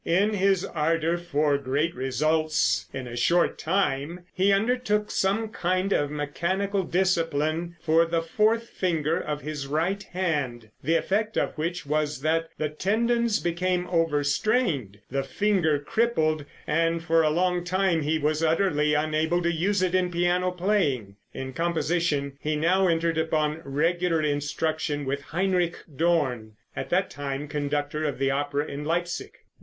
In his ardor for great results in a short time, he undertook some kind of mechanical discipline for the fourth finger of his right hand, the effect of which was that the tendons became overstrained, the finger crippled, and for a long time he was utterly unable to use it in piano playing. In composition he now entered upon regular instruction with Heinrich Dorn, at that time conductor of the opera in Leipsic.